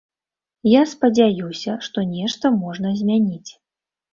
Я спадзяюся, што нешта можна змяніць.